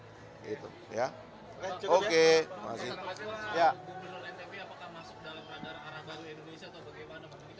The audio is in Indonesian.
masa nanti apakah mas jokowi masuk dalam radar arah baru indonesia atau bagaimana pak